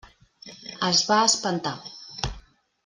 Es va espantar.